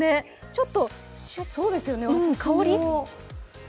ちょっと香り？